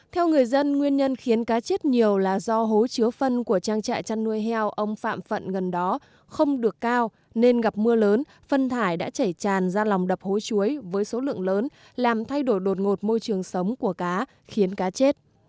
theo người dân nguyên nhân khiến cá chết nhiều là do hố chứa phân của trang trại chăn nuôi heo ông phạm phận gần đó không được cao nên gặp mưa lớn phân thải đã chảy tràn ra lòng đập hố chuối với số lượng lớn làm thay đổi đột ngột môi trường sống của cá khiến cá chết